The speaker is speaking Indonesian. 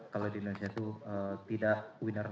kalau di indonesia itu tidak winner